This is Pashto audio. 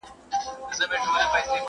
پوهه او تجربه باید یوځای سي.